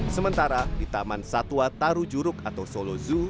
sementara di taman satwa taru juruk atau solo zoo